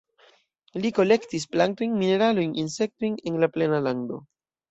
Li kolektis plantojn, mineralojn, insektojn en la plena lando.